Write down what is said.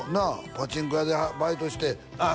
パチンコ屋でバイトしてああ